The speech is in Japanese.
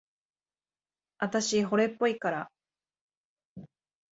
あたし、惚れっぽいから。